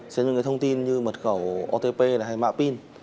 xem những cái thông tin như mật khẩu otp hay mạng pin